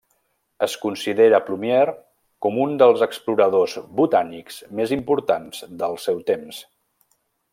Es considera Plumier com un dels exploradors botànics més importants del seu temps.